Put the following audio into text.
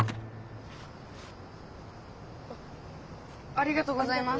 ありがとうございます。